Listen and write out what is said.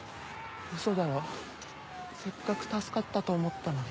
ウソだろせっかく助かったと思ったのに。